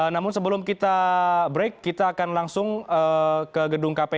namun sebelum kita break kita akan langsung ke kedua dua pertanyaan